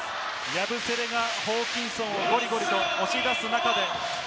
ヤブセレがホーキンソンをゴリゴリ押し出す中で。